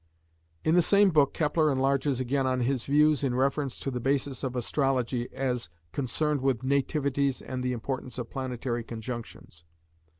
In the same book Kepler enlarges again on his views in reference to the basis of astrology as concerned with nativities and the importance of planetary conjunctions.